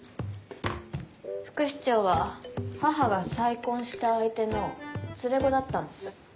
副市長は母が再婚した相手の連れ子だったんです。